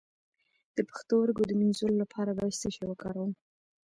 د پښتورګو د مینځلو لپاره باید څه شی وکاروم؟